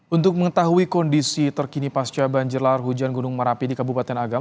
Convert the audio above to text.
untuk mengetahui kondisi terkini pasca banjir lahar hujan gunung merapi di kabupaten agam